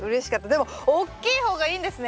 でも大きい方がいいんですね。